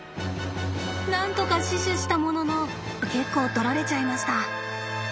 なんとか死守したものの結構とられちゃいました。